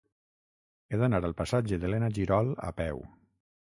He d'anar al passatge d'Elena Girol a peu.